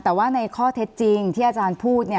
แต่ว่าในข้อเท็จจริงที่อาจารย์พูด